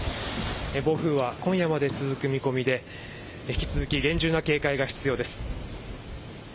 暴風は今夜まで続く見込みで引き続き厳重な警戒が必要です。